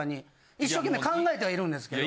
一生懸命考えてはいるんですけど。